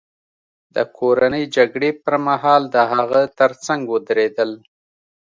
د کورنۍ جګړې پرمهال د هغه ترڅنګ ودرېدل.